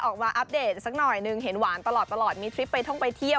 อัปเดตสักหน่อยหนึ่งเห็นหวานตลอดมีทริปไปท่องไปเที่ยว